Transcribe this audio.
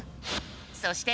そして。